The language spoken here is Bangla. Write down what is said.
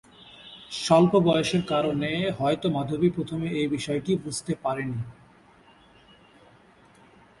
স্বল্প বয়সের কারণেই হয়তো মাধবী প্রথমে এই বিষয়টি বুঝতে পারেনি।